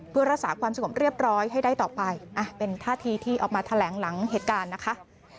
เพื่อรักษาความสงบเรียบร้อยให้ได้ต่อไปเป็นท่าทีที่ออกมาแถลงหลังเหตุการณ์นะคะ